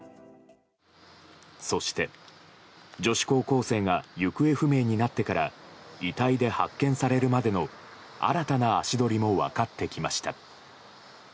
そして、女子高校生が行方不明になってから遺体で発見されるまでの新たな足取りも分かってきました。